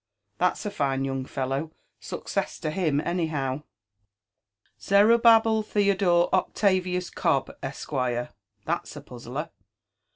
Thai's a fine young fellow! success to him, any bowl" Zerubbabel Theodore Oclavius Cobb, Esq. That's a puzzler."